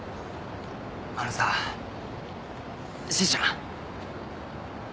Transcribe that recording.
あのさしずちゃん。